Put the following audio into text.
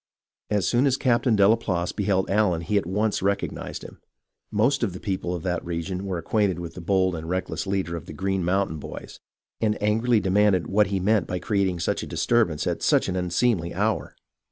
As soon as Captain Delaplace beheld Allen he at once recognized him, — the most of the people of that region were acquainted with the bold and reckless leader of the " Green Mountain Boys," — and angrily demanded what he meant by creating such a disturbance at such an unseemly hour.